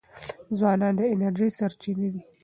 ځوانان د انرژی سرچینه دي.